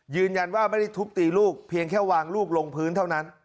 ยืนยันว่าไม่ได้ทุบตีลูกเพียงแค่วางลูกลงพื้นเท่านั้น